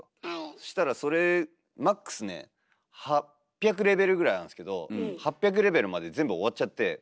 そしたらそれマックスね８００レベルぐらいあるんですけど８００レベルまで全部終わっちゃって。